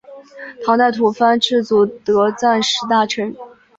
唐代吐蕃赤祖德赞时大臣。